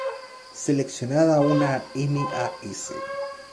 Seleccionada una m.a.s.